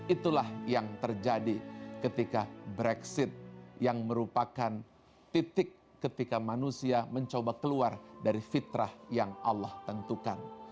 itulah yang terjadi ketika brexit yang merupakan titik ketika manusia mencoba keluar dari fitrah yang allah tentukan